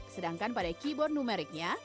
sedangkan pada keyboard numeriknya